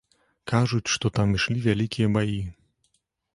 Кажуць, што там ішлі вялікія баі.